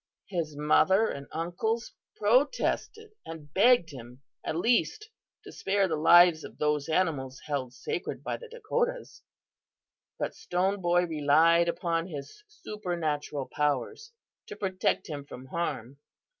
His mother and uncles protested, and begged him at least to spare the lives of those animals held sacred by the Dakotas, but Stone Boy relied upon his supernatural powers to protect him from harm.